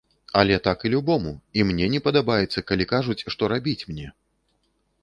Але так і любому, і мне не падабаецца, калі кажуць, што рабіць мне.